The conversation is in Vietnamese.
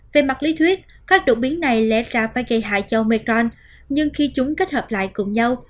về mặt lý thuyết các đột biến này lẽ ra phải gây hại cho mecron nhưng khi chúng kết hợp lại cùng nhau